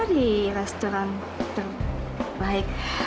di restoran terbaik